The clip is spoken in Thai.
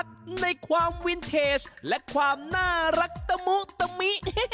ก็ต้องตกหลุมรักในความวินเทจและความน่ารักตะมุตะมิ